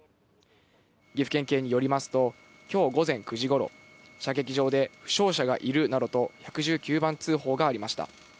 岐阜県警によりますと、きょう午前９時ごろ、射撃場で負傷者がいるなどと１１９番通報がありました。